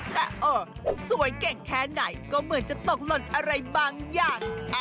แต่เออสวยเก่งแค่ไหนก็เหมือนจะตกหล่นอะไรบางอย่าง